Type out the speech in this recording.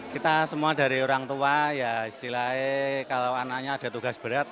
kita semua dari orang tua ya istilahnya kalau anaknya ada tugas berat